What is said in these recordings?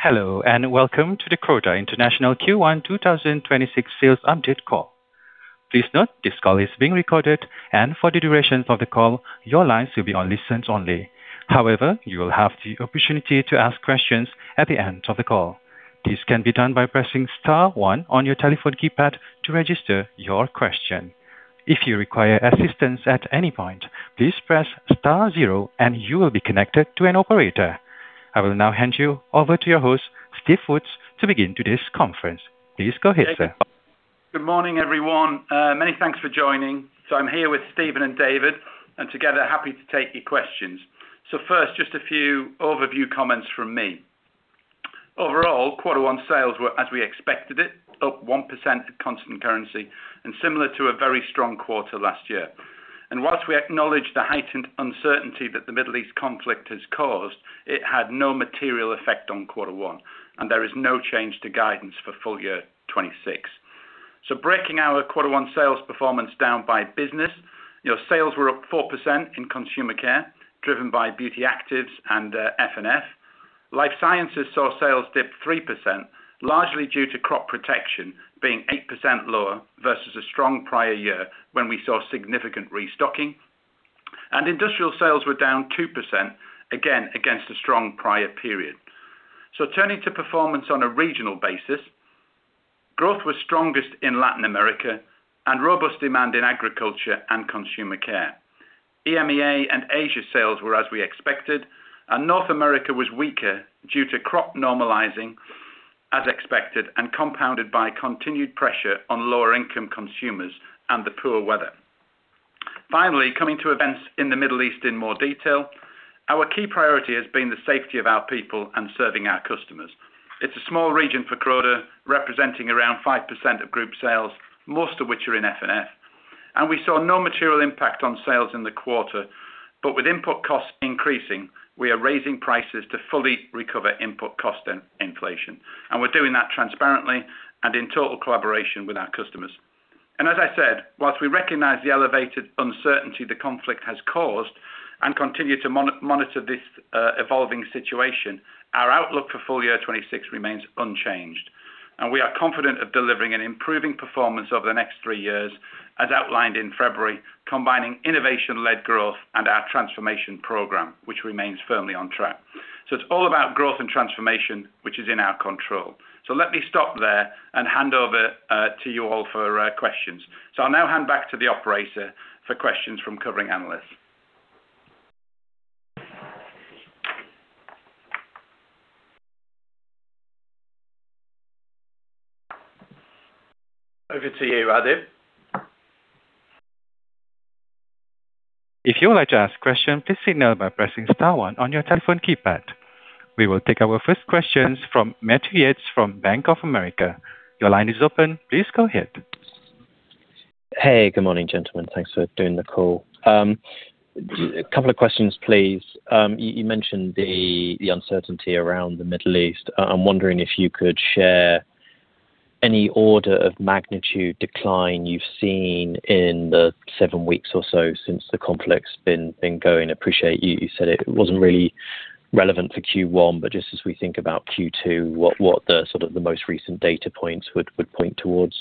Hello, and welcome to the Croda International Q1 2026 sales update call. Please note this call is being recorded, and for the duration of the call, your lines will be on listen-only. However, you will have the opportunity to ask questions at the end of the call. This can be done by pressing star one on your telephone keypad to register your question. If you require assistance at any point, please press star zero and you will be connected to an operator. I will now hand you over to your host, Steve Foots, to begin today's conference. Please go ahead, sir. Good morning, everyone. Many thanks for joining. I'm here with Stephen and David, and together, happy to take your questions. First, just a few overview comments from me. Overall, quarter one sales were as we expected it, up 1% at constant currency and similar to a very strong quarter last year. While we acknowledge the heightened uncertainty that the Middle East conflict has caused, it had no material effect on quarter one. There is no change to guidance for full year 2026. Breaking our quarter one sales performance down by business, our sales were up 4% in Consumer Care, driven by Beauty Actives and F&F. Life Sciences saw sales dip 3%, largely due to Crop Protection being 8% lower versus a strong prior year when we saw significant restocking. Industrial sales were down 2%, again, against a strong prior period. Turning to performance on a regional basis, growth was strongest in Latin America and robust demand in agriculture and Consumer Care. EMEA and Asia sales were as we expected, and North America was weaker due to crop normalizing as expected and compounded by continued pressure on lower-income consumers and the poor weather. Finally, coming to events in the Middle East in more detail, our key priority has been the safety of our people and serving our customers. It's a small region for Croda, representing around 5% of group sales, most of which are in F&F. We saw no material impact on sales in the quarter, but with input costs increasing, we are raising prices to fully recover input cost and inflation. We're doing that transparently and in total collaboration with our customers. As I said, while we recognize the elevated uncertainty the conflict has caused and continue to monitor this evolving situation, our outlook for full year 2026 remains unchanged. We are confident of delivering an improving performance over the next three years as outlined in February, combining innovation-led growth and our transformation program, which remains firmly on track. It's all about growth and transformation, which is in our control. Let me stop there and hand over to you all for questions. I'll now hand back to the operator for questions from covering analysts. Over to you, Radiv. If you would like to ask a question, please signal by pressing star one on your telephone keypad. We will take our first questions from Matthew Yates from Bank of America. Your line is open. Please go ahead. Hey, good morning, gentlemen. Thanks for doing the call. A couple of questions, please. You mentioned the uncertainty around the Middle East. I'm wondering if you could share any order of magnitude decline you've seen in the seven weeks or so since the conflict's been going. Appreciate you said it wasn't really relevant for Q1, but just as we think about Q2, what the most recent data points would point towards.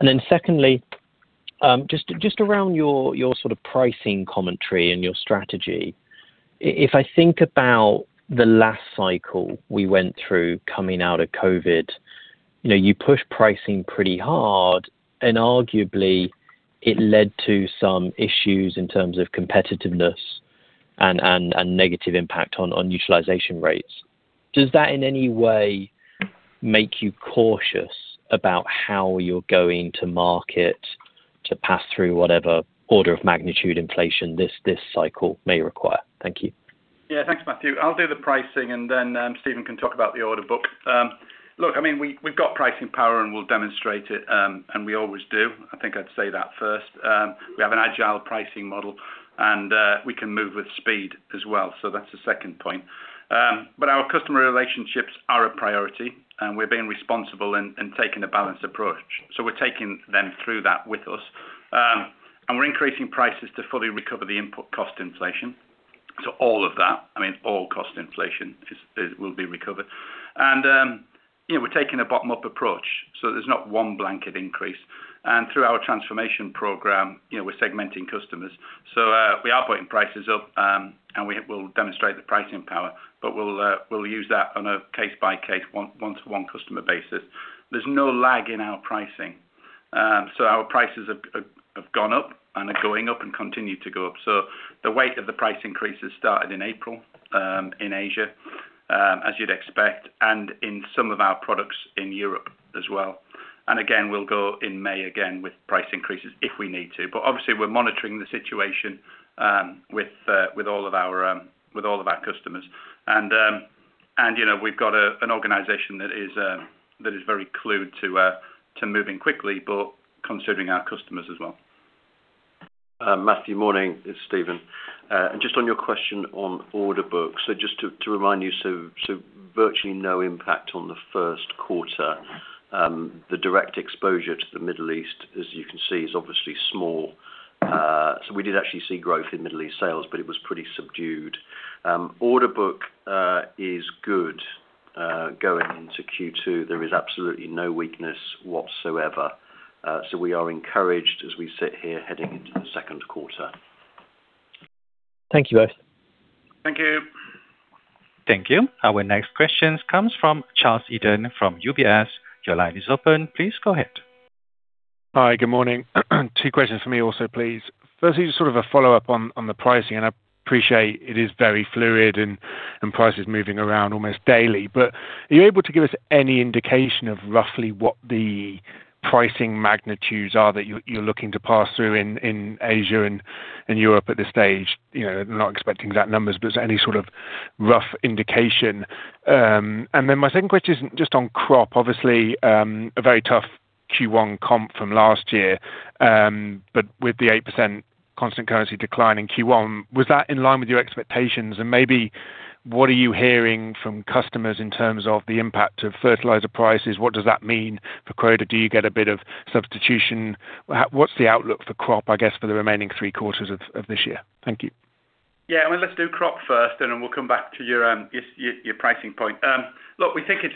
Then secondly, just around your sort of pricing commentary and your strategy. If I think about the last cycle we went through coming out of COVID, you push pricing pretty hard, and arguably it led to some issues in terms of competitiveness and negative impact on utilization rates. Does that in any way make you cautious about how you're going to market to pass through whatever order of magnitude inflation this cycle may require? Thank you. Yeah. Thanks, Matthew. I'll do the pricing, and then Stephen can talk about the order book. Look, we've got pricing power, and we'll demonstrate it. We always do. I think I'd say that first. We have an agile pricing model, and we can move with speed as well. That's the second point. Our customer relationships are a priority, and we're being responsible in taking a balanced approach. We're taking them through that with us. We're increasing prices to fully recover the input cost inflation to all of that. All cost inflation will be recovered. We're taking a bottom-up approach, so there's not one blanket increase. Through our transformation program, we're segmenting customers. We are putting prices up, and we will demonstrate the pricing power, but we'll use that on a case-by-case, one-to-one customer basis. There's no lag in our pricing. Our prices have gone up and are going up and continue to go up. The weight of the price increases started in April in Asia, as you'd expect, and in some of our products in Europe as well. Again, we'll go in May again with price increases if we need to. Obviously, we're monitoring the situation with all of our customers. We've got an organization that is very clued to moving quickly but considering our customers as well. Matthew, morning. It's Stephen. Just on your question on order book, so just to remind you, so virtually no impact on the first quarter. The direct exposure to the Middle East, as you can see, is obviously small. We did actually see growth in Middle East sales, but it was pretty subdued. Order book is good going into Q2. There is absolutely no weakness whatsoever. We are encouraged as we sit here heading into the second quarter. Thank you, both. Thank you. Thank you. Our next question comes from Charles Eden from UBS. Your line is open. Please go ahead. Hi, good morning. Two questions from me also, please. Firstly, just sort of a follow-up on the pricing, and I appreciate it is very fluid and prices moving around almost daily. Are you able to give us any indication of roughly what the pricing magnitudes are that you're looking to pass through in Asia and in Europe at this stage? I'm not expecting exact numbers, but is there any sort of rough indication? Then my second question, just on crop. Obviously, a very tough Q1 comp from last year. With the 8% constant currency decline in Q1, was that in line with your expectations? Maybe what are you hearing from customers in terms of the impact of fertilizer prices? What does that mean for Croda? Do you get a bit of substitution? What's the outlook for crop, I guess, for the remaining three quarters of this year? Thank you. Yeah. Let's do crop first, and then we'll come back to your pricing point. Look, we think it's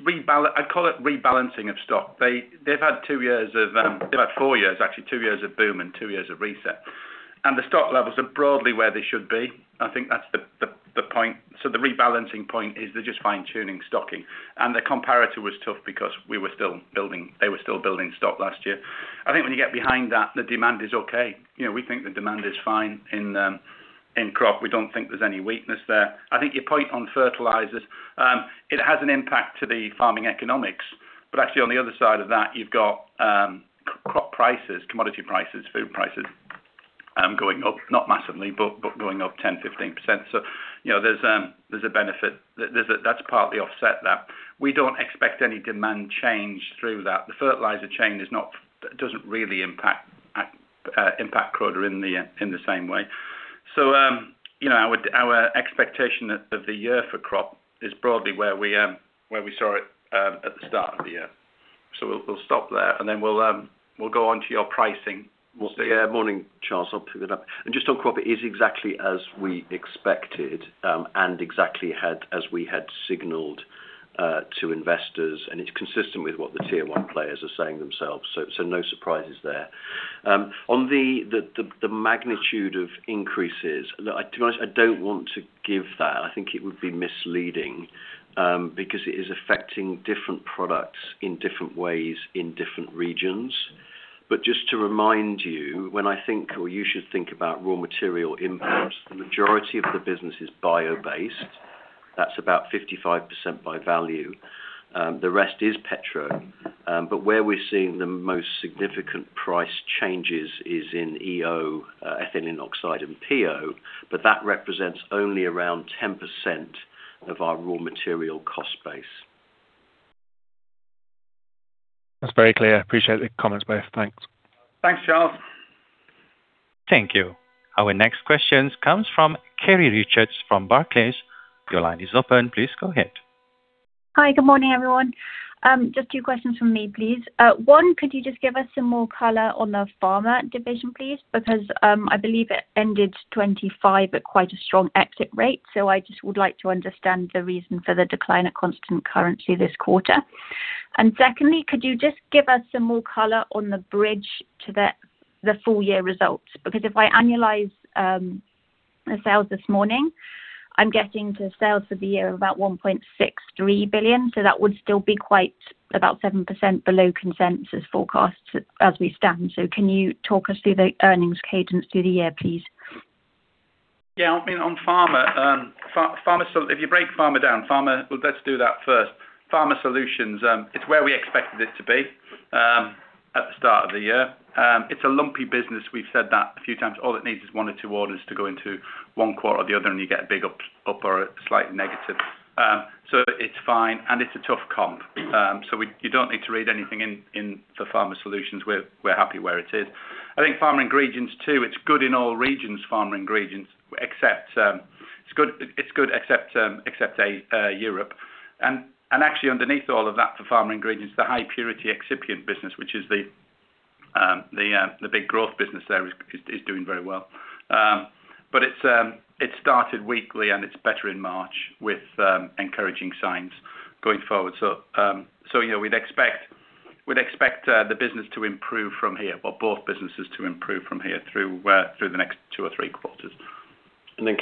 rebalance. I call it rebalancing of stock. They've had four years, actually, two years of boom and two years of reset. The stock levels are broadly where they should be. I think that's the point. The rebalancing point is they're just fine-tuning stocking. The comparator was tough because they were still building stock last year. I think when you get behind that, the demand is okay. We think the demand is fine in crop. We don't think there's any weakness there. I think your point on fertilizers, it has an impact to the farming economics. Actually, on the other side of that, you've got crop prices, commodity prices, food prices going up. Not massively, but going up 10%-15%. There's a benefit. That's partly offset that. We don't expect any demand change through that. The fertilizer chain doesn't really impact Croda in the same way. Our expectation of the year for crop is broadly where we saw it at the start of the year. We'll stop there and then we'll go on to your pricing. We'll see. Yeah. Morning, Charles. I'll pick it up. Just on crop, it is exactly as we expected and exactly as we had signaled to investors, and it's consistent with what the Tier 1 players are saying themselves. No surprises there. On the magnitude of increases, look, to be honest, I don't want to give that. I think it would be misleading, because it is affecting different products in different ways in different regions. Just to remind you, when I think, or you should think about raw material inputs, the majority of the business is bio-based. That's about 55% by value. The rest is petro. Where we're seeing the most significant price changes is in EO, ethylene oxide and PO, but that represents only around 10% of our raw material cost base. That's very clear. I appreciate the comments, both. Thanks. Thanks, Charles. Thank you. Our next question comes from Katie Richards from Barclays. Your line is open. Please go ahead. Hi. Good morning, everyone. Just two questions from me, please. One, could you just give us some more color on the Pharma division, please? Because I believe it ended 2025 at quite a strong exit rate. I just would like to understand the reason for the decline at constant currency this quarter. Secondly, could you just give us some more color on the bridge to the full-year results? Because if I annualize the sales this morning, I'm getting to sales for the year of about 1.63 billion, so that would still be quite about 7% below consensus forecasts as we stand. Can you talk us through the earnings cadence through the year, please? Yeah, I mean, on Pharma, if you break Pharma down, let's do that first. Pharma Solutions, it's where we expected it to be, at the start of the year. It's a lumpy business. We've said that a few times. All it needs is one or two orders to go into one quarter or the other, and you get a big up or a slight negative. It's fine, and it's a tough comp. You don't need to read anything into Pharma Solutions. We're happy where it is. I think Pharma Ingredients, too. It's good in all regions, Pharma Ingredients, except Europe. Actually underneath all of that for Pharma Ingredients, the high-purity excipient business, which is the big growth business there, is doing very well. It started weakly, and it's better in March with encouraging signs going forward. We'd expect the business to improve from here, or both businesses to improve from here through the next two or three quarters.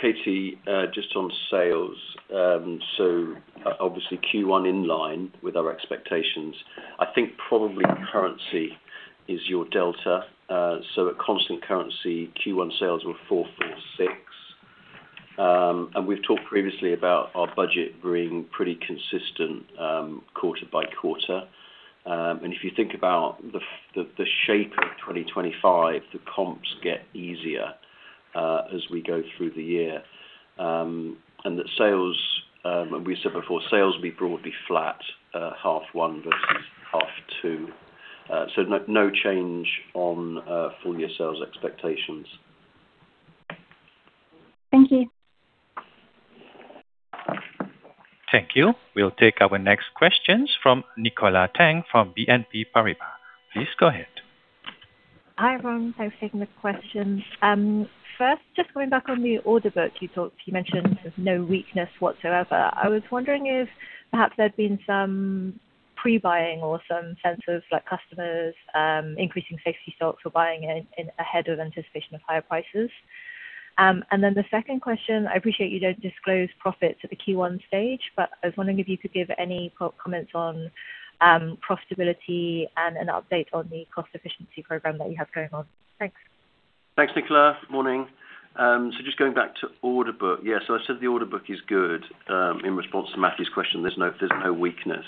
Katie, just on sales. Obviously Q1 in line with our expectations. I think probably currency is your delta. At constant currency, Q1 sales were 446 million. We've talked previously about our budget being pretty consistent quarter by quarter. If you think about the shape of 2025, the comps get easier as we go through the year. That sales, we said before, sales will be broadly flat, half one versus half two. No change on full-year sales expectations. Thank you. Thank you. We'll take our next questions from Nicola Tang from BNP Paribas. Please go ahead. Hi, everyone. Thanks for taking the questions. First, just going back on the order book. You mentioned there's no weakness whatsoever. I was wondering if perhaps there'd been some pre-buying or some sense of customers increasing safety stocks or buying ahead of anticipation of higher prices. The second question, I appreciate you don't disclose profits at the Q1 stage, but I was wondering if you could give any comments on profitability and an update on the cost efficiency program that you have going on. Thanks. Thanks, Nicola. Morning. Just going back to order book. Yeah, I said the order book is good, in response to Matthew's question. There's no weakness.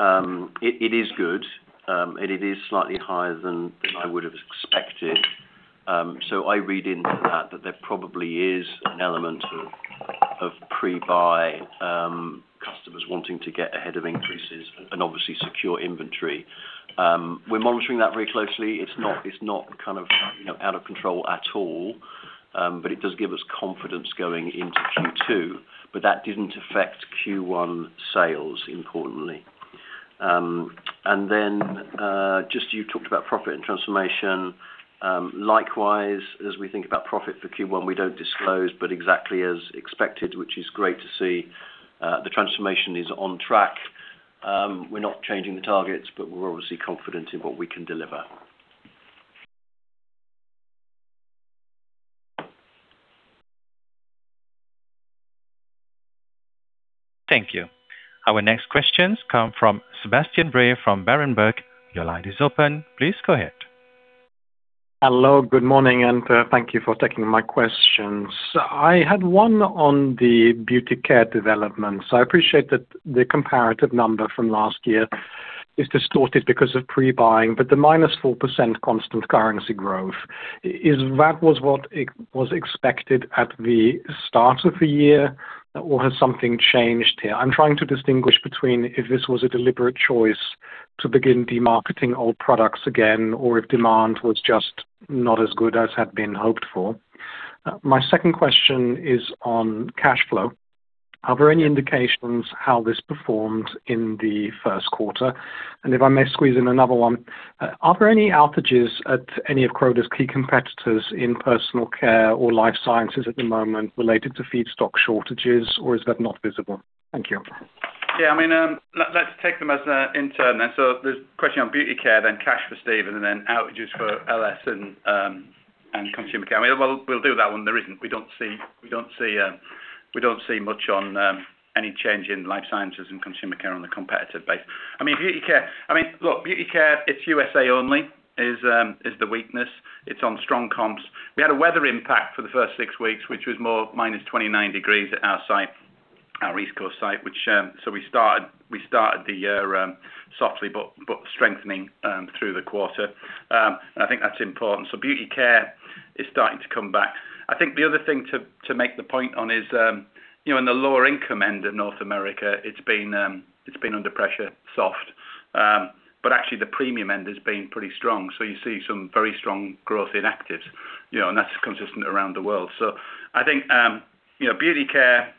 It is good, and it is slightly higher than I would have expected. I read into that that there probably is an element of pre-buy, customers wanting to get ahead of increases and obviously secure inventory. We're monitoring that very closely. It's not out of control at all, but it does give us confidence going into Q2. That didn't affect Q1 sales, importantly. You just talked about profit and transformation. Likewise, as we think about profit for Q1, we don't disclose, but exactly as expected, which is great to see. The transformation is on track. We're not changing the targets, but we're obviously confident in what we can deliver. Thank you. Our next questions come from Sebastian Bray from Berenberg. Your line is open. Please go ahead. Hello. Good morning, and thank you for taking my questions. I had one on the Beauty Care development. I appreciate that the comparative number from last year is distorted because of pre-buying, but the -4% constant currency growth, is that what was expected at the start of the year or has something changed here? I'm trying to distinguish between if this was a deliberate choice to begin demarketing old products again or if demand was just not as good as had been hoped for. My second question is on cash flow. Are there any indications of how this performed in the first quarter? If I may squeeze in another one, are there any outages at any of Croda's key competitors in personal care or Life Sciences at the moment related to feedstock shortages, or is that not visible? Thank you. Yeah. Let's take them in turn. The question on Beauty Care, then cash for Stephen, and then outages for LS and Consumer Care. We'll do that one. There isn't—we don't see much on any change in Life Sciences and Consumer Care on a competitive basis. Beauty Care, it's U.S. only is the weakness. It's on strong comps. We had a weather impact for the first six weeks, which was more -29 degrees at our site, our East Coast site. We started the year softly but strengthening through the quarter. I think that's important. Beauty Care is starting to come back. I think the other thing to make the point on is, in the lower-income end of North America, it's been under pressure, soft. Actually the premium end has been pretty strong. You see some very strong growth in actives, and that's consistent around the world. I think Beauty Care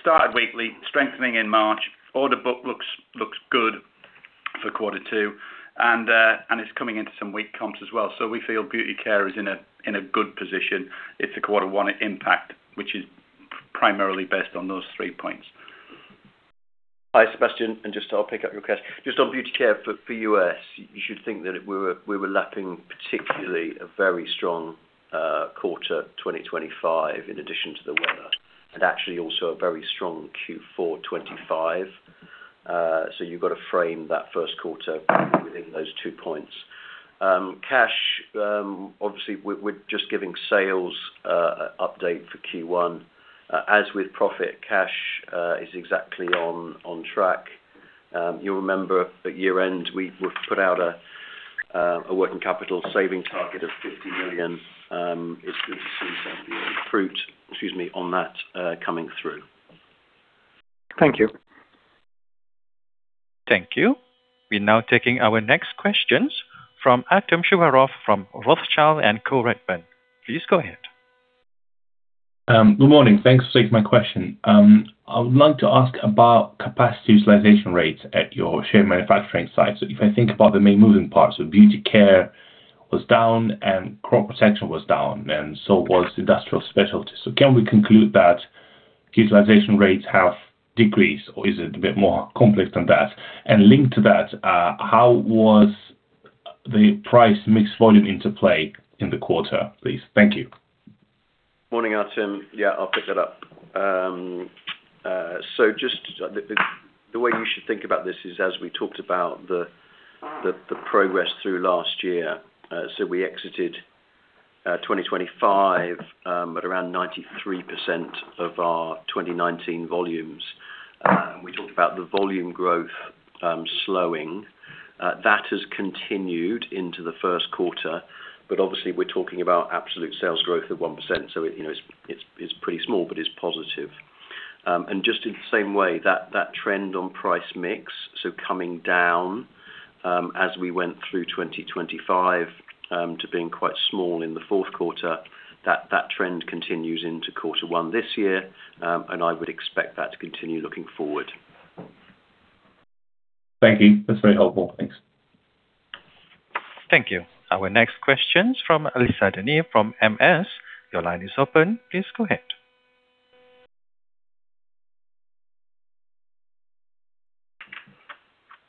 started weakly, strengthening in March. Order book looks good for quarter two. It's coming into some weak comps as well. We feel Beauty Care is in a good position. It's a quarter one impact, which is primarily based on those three points. Hi, Sebastian, and just I'll pick up your question. Just on Beauty Care for U.S., you should think that we were lapping particularly a very strong quarter 2025 in addition to the weather, and actually also a very strong Q4 2025. You've got to frame that first quarter within those two points. Cash, obviously, we're just giving sales update for Q1. As with profit, cash is exactly on track. You'll remember at year end, we put out a working capital saving target of 50 million. It's good to see some of the fruit, excuse me, on that coming through. Thank you. Thank you. We're now taking our next questions from Artem Chubarov from Rothschild & Co Redburn. Please go ahead. Good morning. Thanks for taking my question. I would like to ask about capacity utilization rates at your shared manufacturing sites. If I think about the main moving parts, so Beauty Care was down and Crop Protection was down, and so was Industrial Specialties. Can we conclude that utilization rates have decreased or is it a bit more complex than that? Linked to that, how was the price mix volume interplay in the quarter, please? Thank you. Morning, Artem. Yeah, I'll pick that up. Just the way you should think about this is as we talked about the progress through last year. We exited 2025 at around 93% of our 2019 volumes. We talked about the volume growth slowing. That has continued into the first quarter. Obviously we're talking about absolute sales growth of 1%, so it's pretty small, but it's positive. Just in the same way that trend on price mix, so coming down. As we went through 2025 to being quite small in the fourth quarter, that trend continues into quarter one this year, and I would expect that to continue looking forward. Thank you. That's very helpful. Thanks. Thank you. Our next question's from Lisa De Neve from Morgan Stanley. Your line is open. Please go ahead.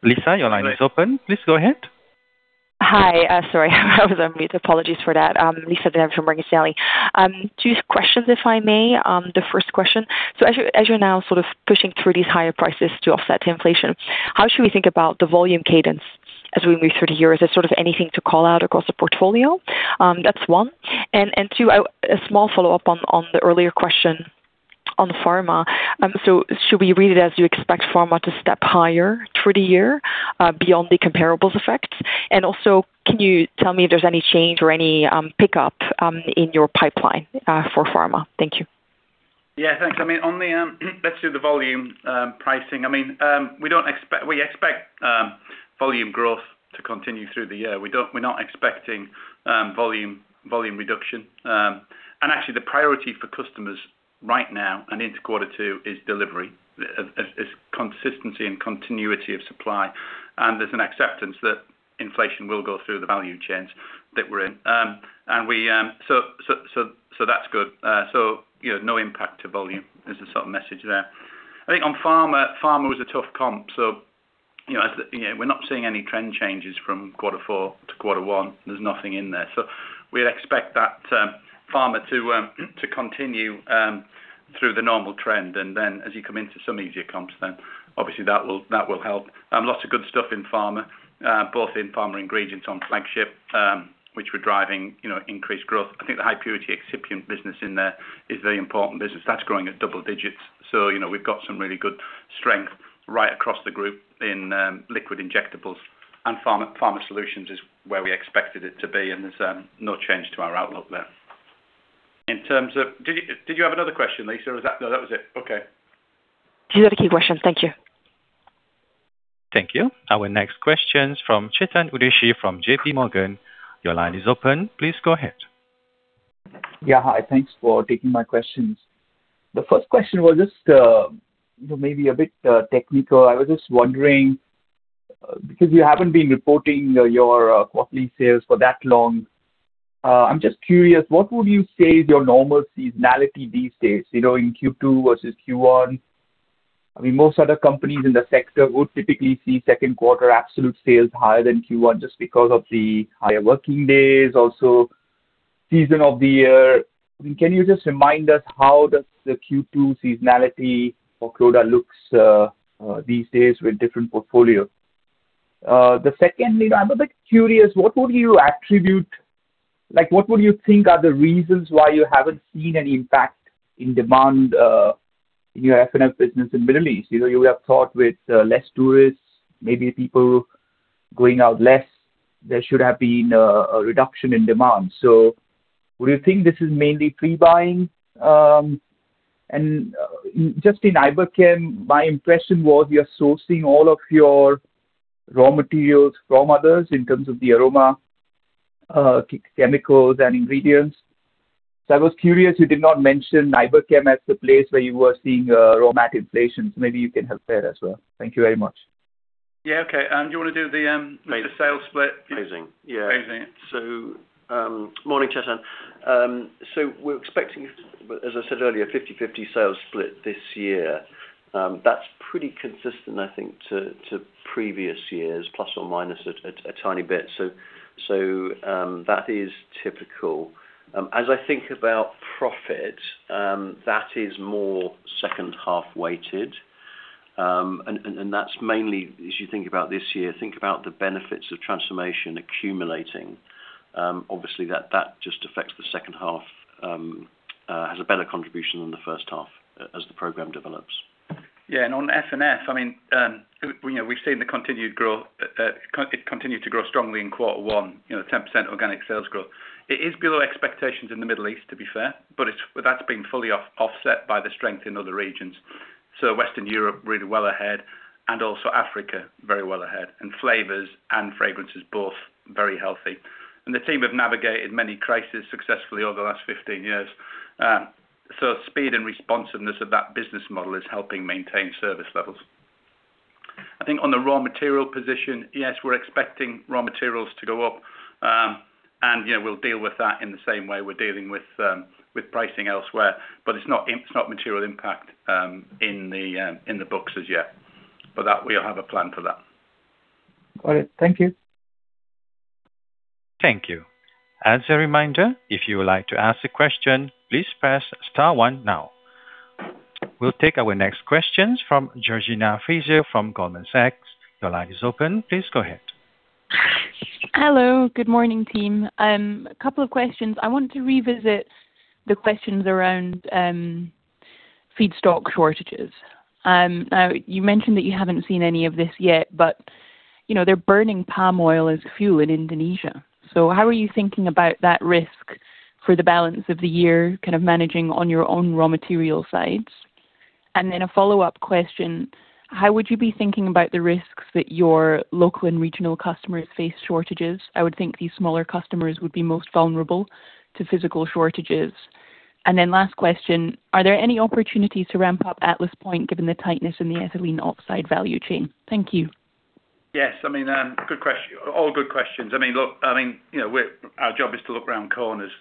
Lisa, your line is open. Please go ahead. Hi. Sorry I was on mute. Apologies for that. Lisa De Neve from Morgan Stanley. Two questions, if I may. The first question, so as you're now pushing through these higher prices to offset inflation, how should we think about the volume cadence as we move through the year? Is there anything to call out across the portfolio? That's one. Two, a small follow-up on the earlier question on Pharma. Should we read it as you expect pharma to step higher through the year beyond the comparables effects? And also, can you tell me if there's any change or any pickup in your pipeline for Pharma? Thank you. Yeah, thanks. Let's do the volume pricing. We expect volume growth to continue through the year. We're not expecting volume reduction. Actually the priority for customers right now and into quarter two is delivery, consistency and continuity of supply. There's an acceptance that inflation will go through the value chains that we're in. That's good. No impact to volume is the message there. I think on Pharma was a tough comp, so we're not seeing any trend changes from quarter four to quarter one. There's nothing in there. We'd expect that Pharma to continue through the normal trend, and then as you come into some easier comps, then obviously that will help. Lots of good stuff in Pharma, both in Pharma Ingredients on flagship, which we're driving increased growth. I think the high-purity excipient business in there is very important business. That's growing at double digits. We've got some really good strength right across the group in liquid injectables, and Pharma Solutions is where we expected it to be, and there's no change to our outlook there. Did you have another question, Lisa? No, that was it. Okay. These are the key questions. Thank you. Thank you. Our next question's from Chetan Udeshi from JPMorgan. Your line is open. Please go ahead. Yeah. Hi. Thanks for taking my questions. The first question was just maybe a bit technical. I was just wondering, because you haven't been reporting your quarterly sales for that long, I'm just curious, what would you say is your normal seasonality these days in Q2 versus Q1? Most other companies in the sector would typically see second quarter absolute sales higher than Q1 just because of the higher working days, also season of the year. Can you just remind us how does the Q2 seasonality for Croda looks these days with different portfolio? The second, I'm a bit curious, what would you think are the reasons why you haven't seen an impact in demand in your F&F business in Middle East? You would have thought with less tourists, maybe people going out less, there should have been a reduction in demand. Would you think this is mainly pre-buying? Just in Iberchem, my impression was you're sourcing all of your raw materials from others in terms of the aroma chemicals and ingredients. I was curious, you did not mention Iberchem as the place where you were seeing raw material inflation. Maybe you can help there as well. Thank you very much. Yeah. Okay. Do you want to do the sales split? Yeah. [Amazing]. Morning, Chetan. We're expecting, as I said earlier, 50/50 sales split this year. That's pretty consistent, I think, to previous years, plus or minus a tiny bit. That is typical. As I think about profit, that is more second half weighted, and that's mainly as you think about this year, think about the benefits of transformation accumulating. Obviously that just affects the second half, has a better contribution than the first half as the program develops. Yeah, on F&F, we've seen the continued growth. It continued to grow strongly in quarter one, 10% organic sales growth. It is below expectations in the Middle East, to be fair, but that's been fully offset by the strength in other regions. Western Europe really well ahead and also Africa very well ahead. Flavors and Fragrances both very healthy. The team have navigated many crises successfully over the last 15 years. Speed and responsiveness of that business model is helping maintain service levels. I think on the raw material position, yes, we're expecting raw materials to go up. We'll deal with that in the same way we're dealing with pricing elsewhere. It's not material impact in the books as yet. That, we'll have a plan for that. Got it. Thank you. Thank you. As a reminder, if you would like to ask a question, please press star one now. We'll take our next questions from Georgina Fraser from Goldman Sachs. Your line is open. Please go ahead. Hello. Good morning, team. Couple of questions. I want to revisit the questions around feedstock shortages. Now you mentioned that you haven't seen any of this yet, but they're burning palm oil as fuel in Indonesia. How are you thinking about that risk for the balance of the year, kind of managing on your own raw material sides? A follow-up question, how would you be thinking about the risks that your local and regional customers face shortages? I would think these smaller customers would be most vulnerable to physical shortages. Last question, are there any opportunities to ramp up Atlas Point given the tightness in the ethylene oxide value chain? Thank you. Yes. Good question. All good questions. Look, our job is to look around corners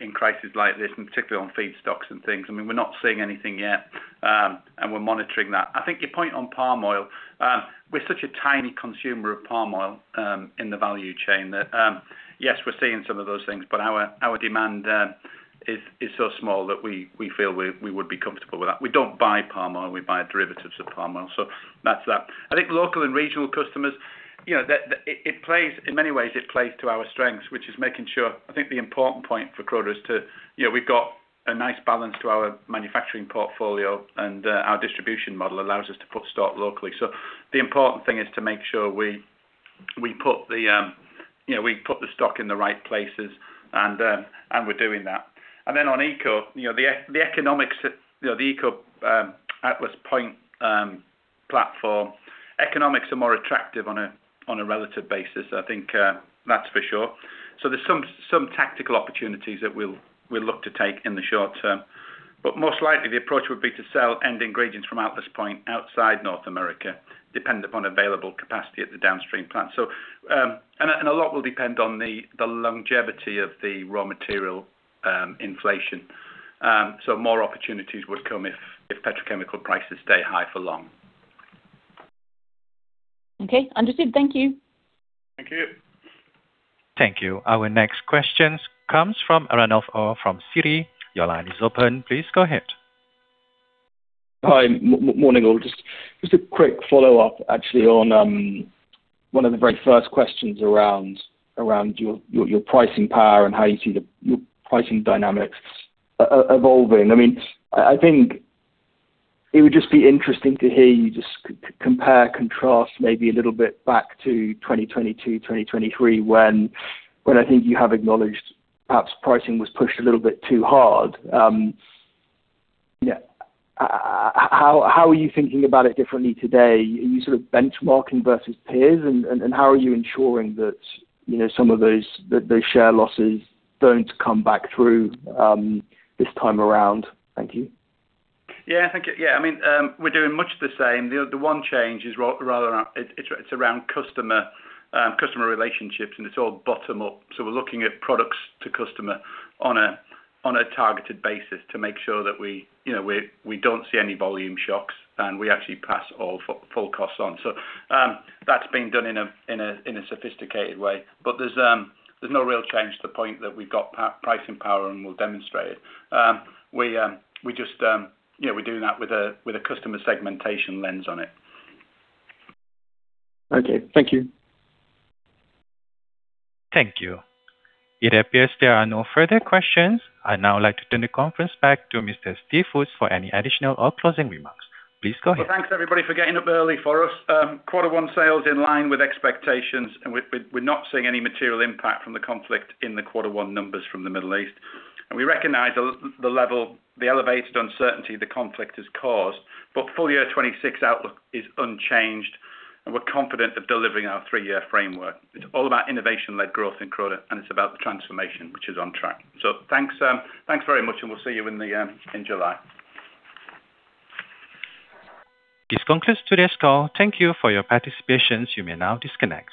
in crises like this, and particularly on feedstocks and things. We're not seeing anything yet, and we're monitoring that. I think your point on palm oil, we're such a tiny consumer of palm oil, in the value chain that, yes, we're seeing some of those things, but our demand is so small that we feel we would be comfortable with that. We don't buy palm oil, we buy derivatives of palm oil. That's that. I think local and regional customers, in many ways, it plays to our strengths. I think the important point for Croda is we've got a nice balance to our manufacturing portfolio and our distribution model allows us to put stock locally. The important thing is to make sure we put the stock in the right places and we're doing that. On the economics at the Atlas Point platform, economics are more attractive on a relative basis, I think that's for sure. There's some tactical opportunities that we'll look to take in the short term, but most likely the approach would be to sell end ingredients from Atlas Point outside North America, dependent upon available capacity at the downstream plant. And a lot will depend on the longevity of the raw material inflation. More opportunities would come if petrochemical prices stay high for long. Okay, understood. Thank you. Thank you. Thank you. Our next questions comes from Ranulf Orr from Citi. Your line is open. Please go ahead. Hi. Morning, all. Just a quick follow-up actually on one of the very first questions around your pricing power and how you see your pricing dynamics evolving. I think it would just be interesting to hear you just compare, contrast maybe a little bit back to 2022, 2023 when I think you have acknowledged perhaps pricing was pushed a little bit too hard. How are you thinking about it differently today? Are you sort of benchmarking versus peers? How are you ensuring that some of those share losses don't come back through this time around? Thank you. Yeah, thank you. We're doing much the same. The one change is around customer relationships, and it's all bottom-up. We're looking at products to customer on a targeted basis to make sure that we don't see any volume shocks, and we actually pass all full costs on. That's being done in a sophisticated way. There's no real change to the point that we've got pricing power and we'll demonstrate it. We're doing that with a customer segmentation lens on it. Okay. Thank you. Thank you. It appears there are no further questions. I'd now like to turn the conference back to Mr. Steve Foots for any additional or closing remarks. Please go ahead. Well, thanks everybody for getting up early for us. Quarter one sales in line with expectations, and we're not seeing any material impact from the conflict in the quarter one numbers from the Middle East. We recognize the level, the elevated uncertainty the conflict has caused. Full year 2026 outlook is unchanged, and we're confident of delivering our three-year framework. It's all about innovation-led growth in Croda, and it's about the transformation which is on track. Thanks very much, and we'll see you in July. This concludes today's call. Thank you for your participations. You may now disconnect.